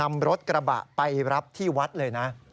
นำรถกระบะไปรับที่วัดเลยนะ